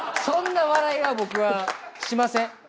そんな笑いは僕はしません。